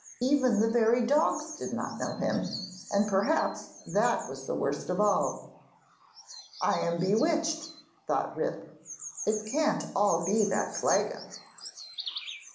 Even the very dogs did not know him, and perhaps that was worst of all. 'I am bewitched,' thought Rip. 'It can't all be that flagon.'